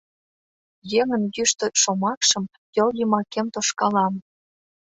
Еҥын йӱштӧ шомакшым Йол йымакем тошкалам.